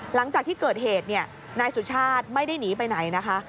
หลังจากที่เกิดเหตุนายสุชาติไม่ได้หนีไปไหนนะคะ